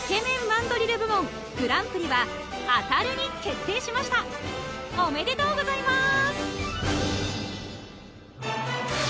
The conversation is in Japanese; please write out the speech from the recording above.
マンドリル部門グランプリはアタルに決定しましたおめでとうございまーす！